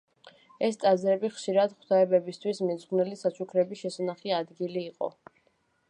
ეს ტაძრები ხშირად ღვთაებებისთვის მიძღვნილი საჩუქრების შესანახი ადგილი იყო.